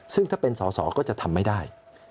ซึ่งถ้าเป็นสอสอก็จะทำไม่ได้